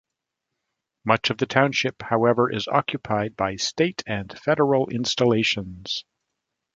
Much of the township, however, is occupied by state and federal installations.